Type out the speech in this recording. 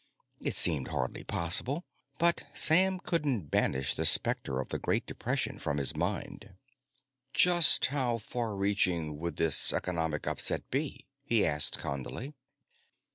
It seemed hardly possible, but Sam couldn't banish the specter of the Great Depression from his mind. "Just how far reaching would this economic upset be?" he asked Condley.